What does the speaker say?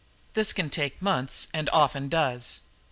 This can take months, and often does.